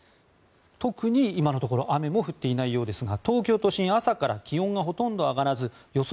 特に今のところ雨も降っていないようですが東京都心朝から気温がほとんど上がらず予想